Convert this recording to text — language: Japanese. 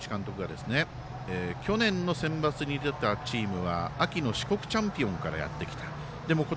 浜口監督が去年のセンバツに出たチームは秋の四国チャンピオンからやってきた。